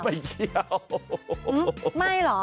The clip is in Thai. ไม่คิดไม่เหรอ